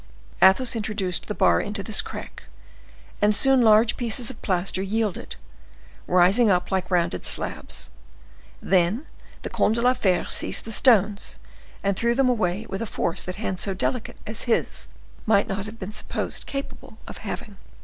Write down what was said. Athos introduced the bar into this crack, and soon large pieces of plaster yielded, rising up like rounded slabs. Then the Comte de la Fere seized the stones and threw them away with a force that hands so delicate as his might not have been supposed capable of having.